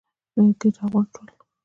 ملګري راغونډ شول.